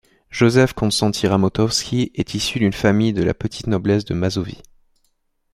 Józef Konstanty Ramotowski est issu d'une famille de la petite noblesse de Mazovie.